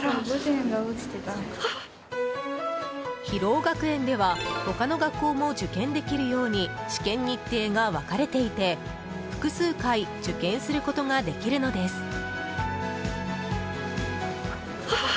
広尾学園では他の学校も受験できるように試験日程が分かれていて、複数回受験することができるのです。